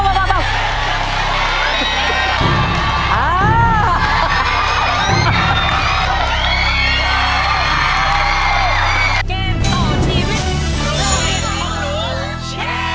เกมต่อชีวิตโรงเรียนของหนูสักครู่เดียวครับ